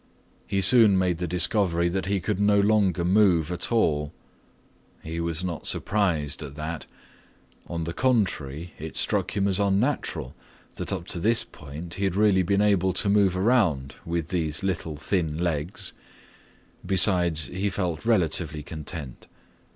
He soon made the discovery that he could no longer move at all. He was not surprised at that. On the contrary, it struck him as unnatural that up to this point he had really been able up to move around with these thin little legs. Besides he felt relatively content.